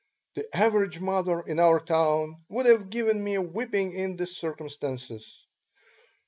The average mother in our town would have given me a whipping in the circumstances.